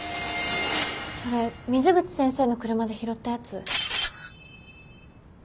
それ水口先生の車で拾ったやつ。